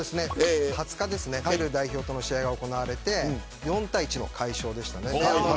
２０日ペルー代表と試合が行われて４対１の快勝でした。